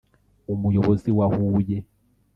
umuyobozi wa Huye